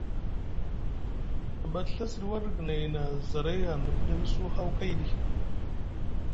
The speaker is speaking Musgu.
Na ɓa te Ɵa siɗi warɗi guinay na zaray hanɗa pɗemsu haw kayɗi.